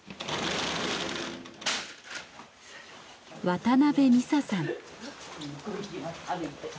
渡辺美佐さん。